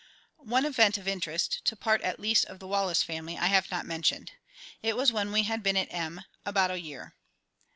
One event of interest, to part at least of the Wallace family, I have not mentioned. It was when we had been at M about a year.